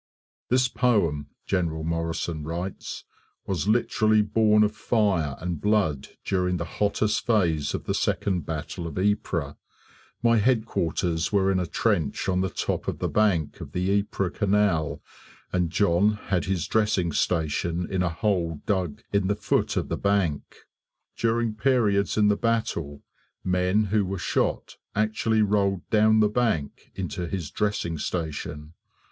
"This poem," General Morrison writes, "was literally born of fire and blood during the hottest phase of the second battle of Ypres. My headquarters were in a trench on the top of the bank of the Ypres Canal, and John had his dressing station in a hole dug in the foot of the bank. During periods in the battle men who were shot actually rolled down the bank into his dressing station.